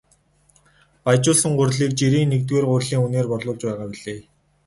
Баяжуулсан гурилыг жирийн нэгдүгээр гурилын үнээр борлуулж байгаа билээ.